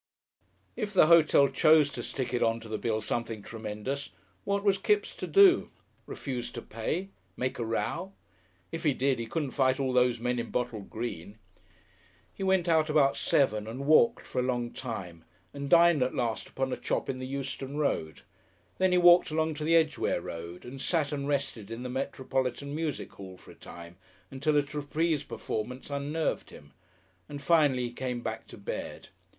If the hotel chose to stick it on to the bill something tremendous what was Kipps to do? Refuse to pay? Make a row? If he did he couldn't fight all these men in bottle green.... He went out about seven and walked for a long time and dined at last upon a chop in the Euston Road; then he walked along to the Edgeware Road and sat and rested in the Metropolitan Music Hall for a time until a trapeze performance unnerved him and finally he came back to bed.